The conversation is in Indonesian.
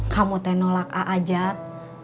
kamu teh nolak a'ajat